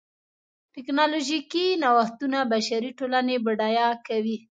ټکنالوژیکي نوښتونه بشري ټولنې بډایه کوي.